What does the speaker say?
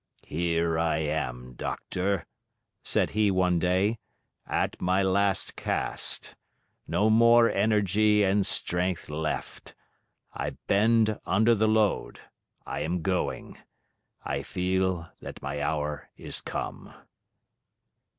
"Here I am, Doctor," said he one day, "at my last cast. No more energy and strength left: I bend under the load ... I am going. I feel that my hour is come."